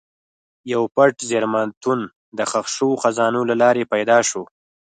یو پټ زېرمتون د ښخ شوو خزانو له لارې پیدا شو.